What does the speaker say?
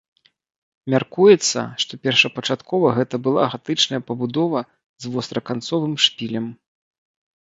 Мяркуецца, што першапачаткова гэта была гатычная пабудова з востраканцовым шпілем.